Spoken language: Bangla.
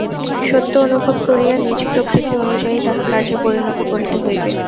সত্য অনুভব করিয়া নিজ প্রকৃতি অনুয়ায়ী তাহা কার্যে পরিণত করিতে হইবে।